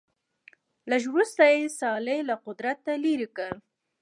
لږ وروسته یې صالح له قدرته لیرې کړ.